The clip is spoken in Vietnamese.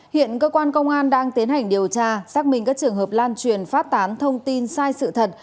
hiện cơ quan công an đang tiến hành điều tra xác minh các trường hợp lan truyền phát tán thông tin sai sự thật